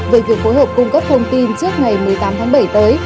về việc phối hợp cung cấp thông tin trước ngày một mươi tám tháng bảy tới